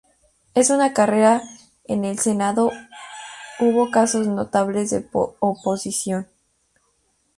En su carrera en el Senado hubo casos notables de oposición.